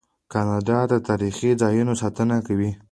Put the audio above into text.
کاناډا د تاریخي ځایونو ساتنه کوي.